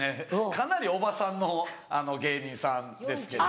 かなりおばさんの芸人さんですけど。